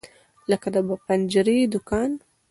لکه د بنجاري دکان.